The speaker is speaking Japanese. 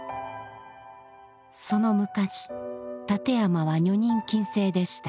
その昔立山は女人禁制でした。